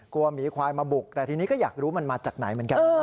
หมีควายมาบุกแต่ทีนี้ก็อยากรู้มันมาจากไหนเหมือนกัน